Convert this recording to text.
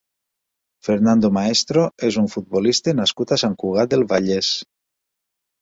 Fernando Maestro és un futbolista nascut a Sant Cugat del Vallès.